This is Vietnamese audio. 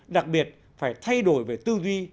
đặc biệt phải thay đổi về tư duy